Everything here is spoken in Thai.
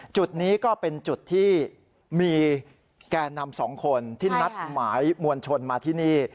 จุดนี้ก็เป็นจุดที่มีแก่นำสองคนที่นัดหมายมวลชนมาที่นี่